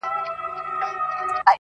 که حساب دی!.